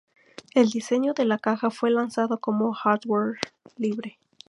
El diseño de la caja fue lanzado como hardware libre.